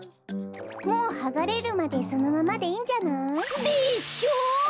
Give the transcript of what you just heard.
もうはがれるまでそのままでいいんじゃない？でしょ？